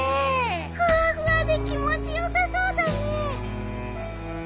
ふわふわで気持ち良さそうだね。